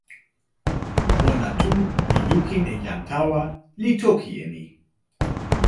ona tu li lukin e jan tawa li toki e ni.